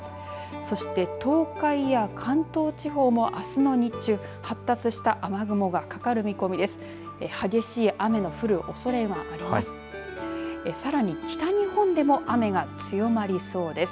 そして、東海や関東地方もあすの日中発達した雨雲がかかる見込みです。